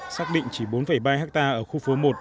xác định chỉ bốn ba ha ở khu phố một